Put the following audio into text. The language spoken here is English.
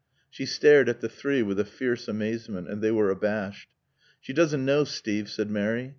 She stared at the three with a fierce amazement. And they were abashed. "She doesn't know, Steve," said Mary.